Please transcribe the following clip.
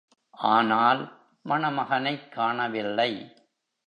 ஆனால், மணமகனைக் காணவில்லை.